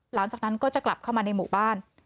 หลังจากนั้นก็จะกลับเข้ามาในหมู่บ้าน